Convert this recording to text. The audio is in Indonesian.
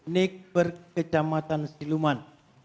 nik kejamatan siluman